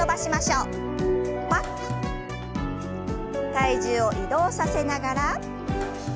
体重を移動させながら。